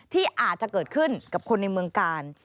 ที่อาจจะเกิดขึ้นกับคนในเมืองกาล